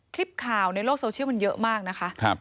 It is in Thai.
คลิปข่าวในโลกโซเชียลมันเยอะมากนะคะ